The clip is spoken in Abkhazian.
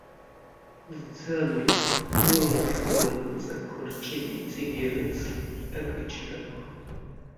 Лӡамҩақәа, лылахь, ллакыҵақәа рҿы иҵегьы ирыцлеит акыҷырақәа.